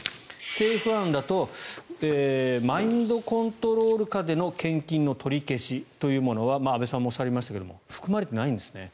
政府案だとマインドコントロール下での献金の取り消しというものは阿部さんもおっしゃいましたが含まれてないんですね。